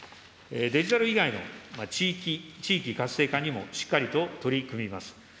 デジタル以外の地域活性化にもしっかりと取り組みます。